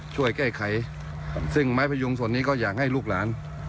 ช่วยแก้ไขซึ่งไม้พยุงส่วนนี้ก็อยากให้ลูกหลาน